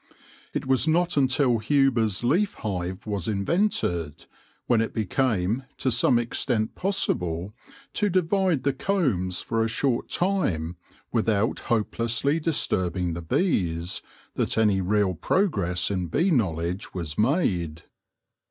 It was not until Huber's leaf hive was invented — when it became to some extent possible to divide the combs for a short time without hopelessly disturbing the bees — that any real progress in bee knowledge was made.